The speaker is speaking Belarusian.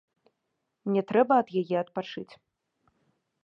Мне трэба ад яе адпачыць.